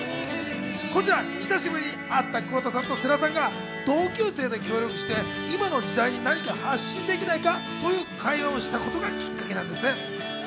こちら久しぶりに会った桑田さんと世良さんが、同級生で協力して、今の時代に何か発信できないかという会話をしたことがきっかけなんです。